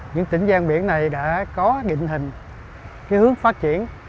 những tỉnh gian biển này đã có định hình hướng phát triển